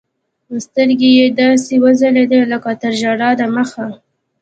سترګې يې داسې وځلېدې لكه تر ژړا د مخه.